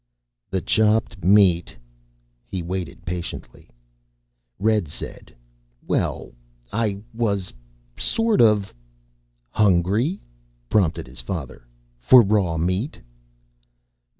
"The chopped meat." He waited patiently. Red said, "Well, I was sort of " "Hungry?" prompted his father. "For raw meat?"